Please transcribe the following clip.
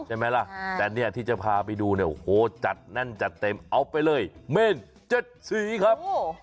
ใช่ไหมล่ะแต่เนี่ยที่จะพาไปดูเนี่ยโอ้โหจัดแน่นจัดเต็มเอาไปเลยเมน๗สีครับ